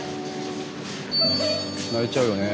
泣いちゃうよね。